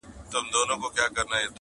په غمونو پسي تل د ښادۍ زور وي!.